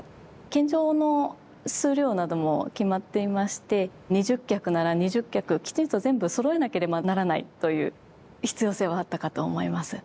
献上の数量なども決まっていまして２０客なら２０客きちんと全部そろえなければならないという必要性はあったかと思います。